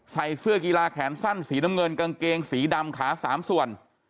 ใส่เสื้อกีฬาแขนสั้นสีน้ำเงินกางเกงสีดำขา๓ส่วน